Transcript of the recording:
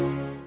ibu anda pun